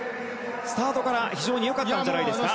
スタートから非常に良かったんじゃないですか。